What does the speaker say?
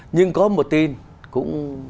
nhưng có một tin cũng